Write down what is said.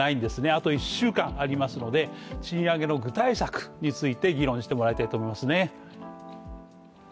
あと１週間ありますので賃上げの具体策を議論してもらいたいと思いますね。